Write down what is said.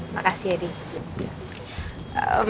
makasih ya dih